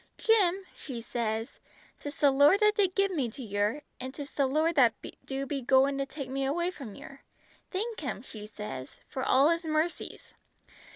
'Jim,' she sez, ''tis the Lord that did give me to yer, an' 'tis the Lord that do be goin' to take me away from yer. Thank Him,' she sez, 'for all His mercies!'